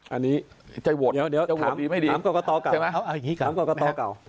อันนี้จะโหวตดีไม่ดีถามกรกตเก่า